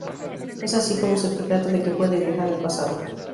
Es así como se percata de que puede viajar al pasado.